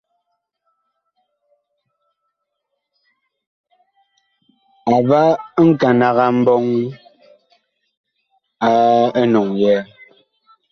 A va nkanag a mbɔŋ a enɔŋ yɛɛ.